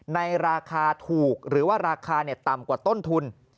ในราคาถูกหรือว่าราคาต่ำกว่าต้นทุน